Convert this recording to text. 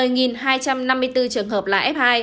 như trường hợp là f hai